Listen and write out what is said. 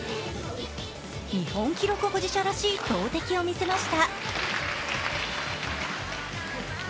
日本記録保持者らしい投てきを見せました。